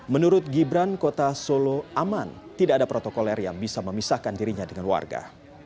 menurut gibran kota solo aman tidak ada protokoler yang bisa memisahkan dirinya dengan warga